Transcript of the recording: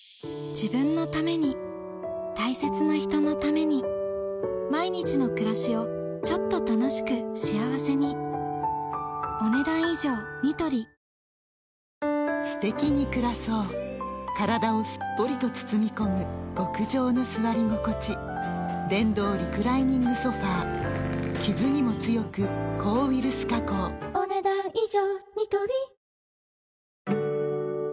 自分のために大切な人のために毎日の暮らしをちょっと楽しく幸せにすてきに暮らそう体をすっぽりと包み込む極上の座り心地電動リクライニングソファ傷にも強く抗ウイルス加工お、ねだん以上。